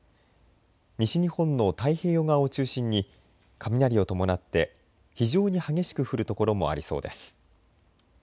西日本の太平洋側を中心に雷を伴って非常に激しく降る所もありそうです。